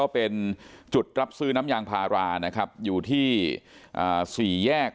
เป็นจุดรับซื้อน้ำยางพารานะครับอยู่ที่๔แยก